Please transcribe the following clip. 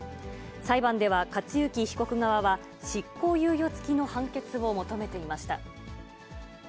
裁判では克行被告側は、執行猶予付きの判決を求めていました。